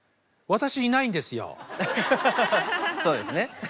そうですね。